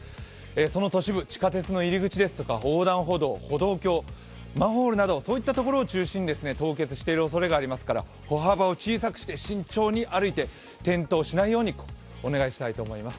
その都市部、地下鉄の入り口ですとか、横断歩道、歩道橋、マンホールなどを中心に凍結しているおそれがありますから、歩幅を小さくして、慎重に歩いて転倒しないようにお願いしたいと思います。